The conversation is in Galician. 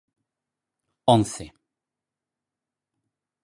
Once.